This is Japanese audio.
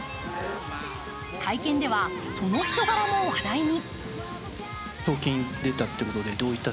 会見ではその人柄も話題に。